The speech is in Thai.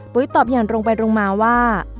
ปุ๋ยตอบอย่างลงไปลงมาว่า